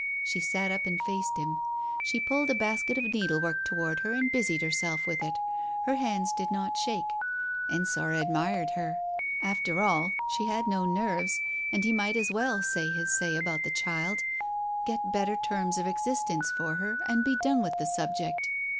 She sat up and faced him. She pulled a basket of needle work towards her and busied herself with it. Her hands did not shake. Ensor admired her. After all, she had no nerves, and he might as well say his say about the child, get better terms of existence for her, and be done with the subject.